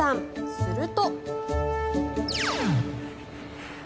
すると。